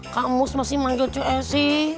kak mus masih manggil cec